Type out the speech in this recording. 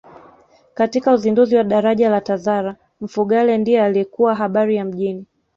Katika uzinduzi wa daraja la Tazara Mfugale ndiye alikuwa habari ya mjini